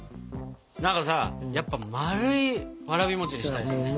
何かさやっぱまるいわらび餅にしたいですね。